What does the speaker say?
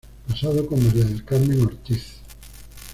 Casado con María del Carmen Ortiz.